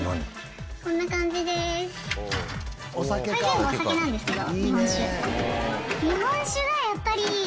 こんな感じです。